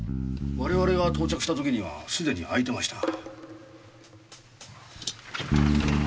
我々が到着した時にはすでに開いていました。